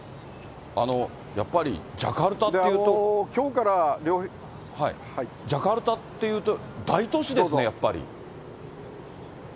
やっぱりジャカルタっていうと、大都市ですね、やっぱり。